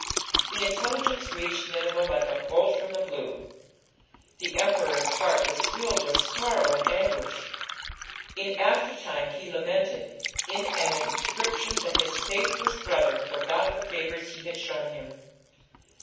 The intelligence reached Nineveh like a bolt from the blue. The emperor's heart was filled with sorrow and anguish. In after time he lamented in an inscription that his "faithless brother" forgot the favours he had shown him.